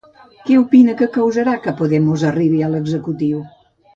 Què opina que causarà que Podemos arribi a l'executiu?